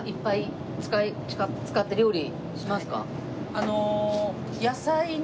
あの。